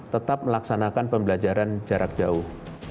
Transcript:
tetap melaksanakan pembelajaran jarak jauh